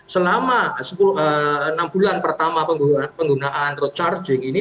selama enam bulan pertama penggunaan road charging ini